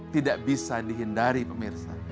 tidak bisa dihindari pemirsa